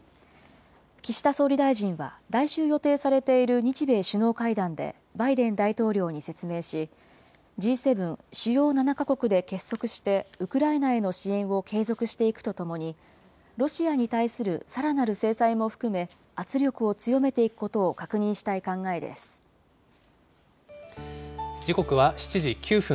岸田総理大臣は来週予定されている日米首脳会談でバイデン大統領に説明し、Ｇ７・主要７か国で結束してウクライナへの支援を継続していくとともに、ロシアに対するさらなる制裁も含め、圧力を強めていくこ時刻は７時９分。